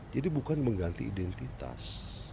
jadi bukan mengganti identitas